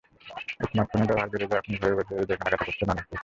স্মার্টফোনের ব্যবহার বেড়ে যাওয়ায় এখন ঘরে বসেই ঈদের কেনাকাটা করছেন অনেকেই।